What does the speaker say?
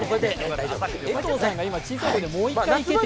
江藤さんが今、小さい声でもう一回行けと。